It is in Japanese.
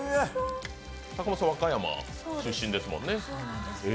坂本さん、和歌山出身ですよね。